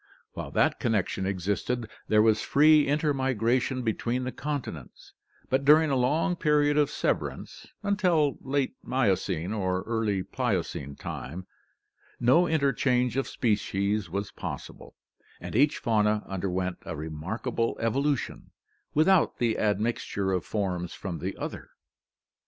While that connec GEOGRAPHIC DISTRIBUTION 59 tion existed there was free intermigration between the continents, but during a long period of severance — until late Miocene or early Pliocene time — no interchange of species was possible, and each fauna underwent a remarkable evolution, without the admixture of forms from the other.